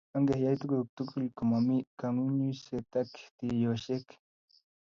Ongeyai tukuk tugul kumomi kangunyngunyiset ak tiiyosek